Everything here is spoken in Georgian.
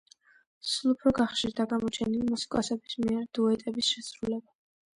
სულ უფრო გახშირდა გამოჩენილი მუსიკოსების მიერ დუეტების შესრულება.